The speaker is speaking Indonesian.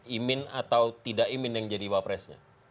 imin atau tidak imin yang jadi wapresnya